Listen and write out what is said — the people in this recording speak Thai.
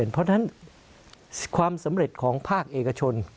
เพราะฉะนั้นความสำเร็จของภาคเอกชน